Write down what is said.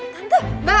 tante apaan sih